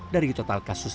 dari total kasusnya